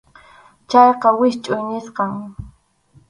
Chayqa wischʼuy nisqam.